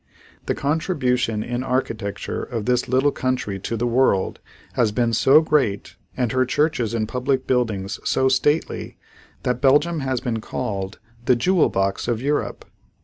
The contribution in architecture of this little country to the world has been so great and her churches and public buildings so stately that Belgium has been called, "The Jewel box of Europe."